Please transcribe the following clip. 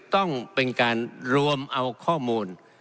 ต้องเป็นการรวมเอาข้อมูล